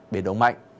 biển đông mạnh